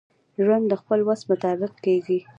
ژوند دخپل وس مطابق کیږي.